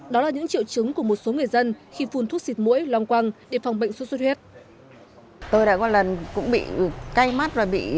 đó là những triệu chứng của một số người dân khi phun thuốc xịt mũi long quăng để phòng bệnh sốt xuất huyết